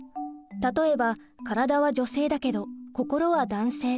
例えば体は女性だけど心は男性。